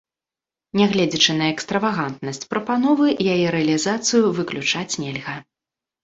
Нягледзячы на экстравагантнасць прапановы, яе рэалізацыю выключаць нельга.